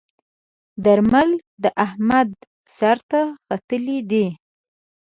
درمل د احمد سر ته ختلي ديی.